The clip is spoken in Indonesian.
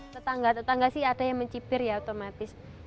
tetangga tetangga sih ada yang mencibir ya otomatis